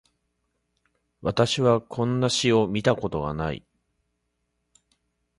私はこんな詩を見たことがない